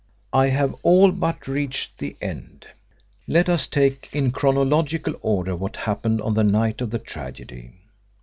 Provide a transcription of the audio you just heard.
I have all but reached the end. Let us take in chronological order what happened on the night of the tragedy.